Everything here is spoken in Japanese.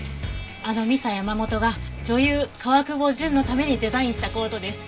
あのミサヤマモトが女優川久保純のためにデザインしたコートです。